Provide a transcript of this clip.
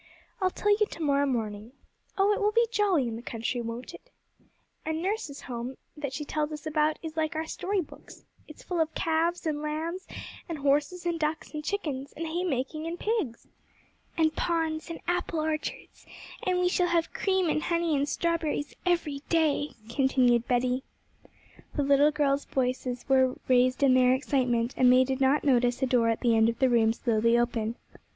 'I'll tell you to morrow morning. Oh, it will be jolly in the country, won't it? And nurse's home that she tells us about is like our story books: it's full of calves, and lambs, and horses, and ducks, and chickens, and haymaking, and pigs!' 'And ponds, and apple orchards, and we shall have cream, and honey, and strawberries every day!' continued Betty. The little girls' voices were raised in their excitement, and they did not notice a door at the end of the room slowly open.